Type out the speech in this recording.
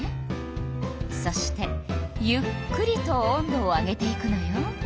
そしてゆっくりと温度を上げていくのよ。